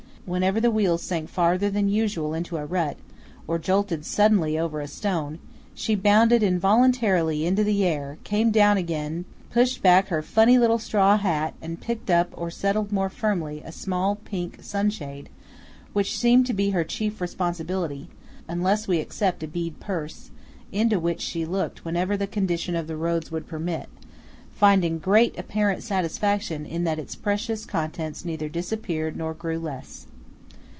Whenever the wheels sank farther than usual into a rut, or jolted suddenly over a stone, she bounded involuntarily into the air, came down again, pushed back her funny little straw hat, and picked up or settled more firmly a small pink sun shade, which seemed to be her chief responsibility, unless we except a bead purse, into which she looked whenever the condition of the roads would permit, finding great apparent satisfaction in that its precious contents neither disappeared nor grew less.